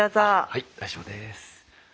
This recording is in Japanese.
はい大丈夫です。